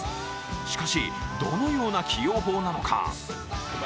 しかし、どのような起用法なのか。